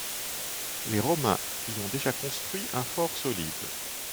Les Romains y ont déjà construit un fort solide.